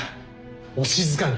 お静かに。